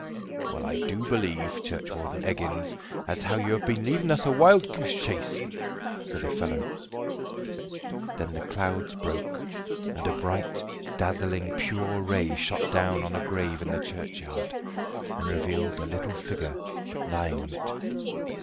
"Well, I do believe, Churchwarden Eggins, as how you have been leading us a wild goose chase!" said a fellow. Then the clouds broke, and a bright, dazzling pure ray shot down on a grave in the churchyard, and revealed a little figure lying on it.